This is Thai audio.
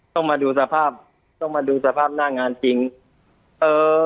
ต้องมาดูสภาพต้องมาดูสภาพหน้างานจริงเอ่อ